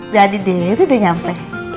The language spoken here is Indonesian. jadi dia itu udah nyampe